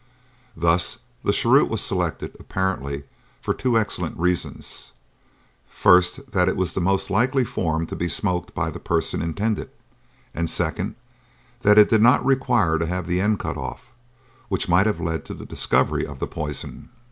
Thus the cheroot was selected, apparently, for two excellent reasons: first, that it was the most likely form to be smoked by the person intended, and second, that it did not require to have the end cut off which might have led to a discovery of the poison.